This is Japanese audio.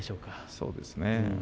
そうですね。